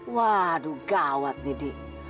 waduh gawat nih dik